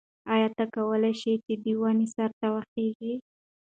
ایا ته کولای شې چې د ونې سر ته وخیژې؟